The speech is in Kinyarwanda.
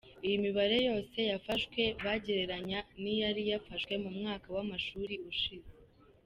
Iyi mibare yose yafashwe bagereranya n’iyari yafashwe mu mwaka w’amashuri ushize.